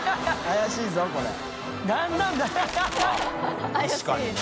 怪しい